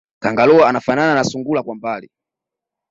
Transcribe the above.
Kangaroo anafanana na sungura kwa mbali